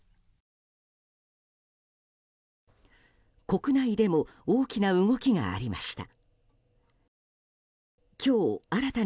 国内でも大きな動きがありました。